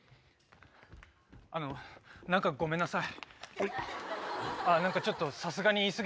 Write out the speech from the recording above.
あの、なんかごめんなさい。